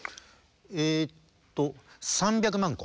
えっと３００万個。